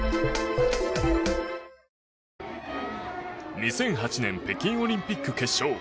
２００８年北京オリンピック決勝。